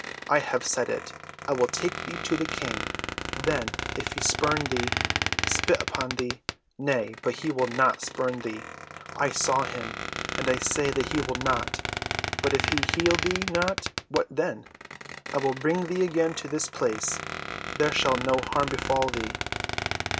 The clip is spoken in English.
"I have said it. I will take thee to the King, then if he spurn thee—spit upon thee—Nay, but he will not spurn thee; I saw him, and I say that he will not. But if he heal thee not, what then? I will bring thee again to this place. There shall no harm befall thee."